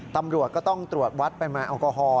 ตำรวจก็ต้องตรวจวัดปริมาณแอลกอฮอล